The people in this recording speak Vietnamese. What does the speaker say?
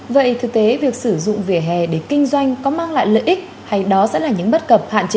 vậy thực tế việc sử dụng vỉa hè để kinh doanh có mang lại lợi ích hay đó sẽ là những bất cập hạn chế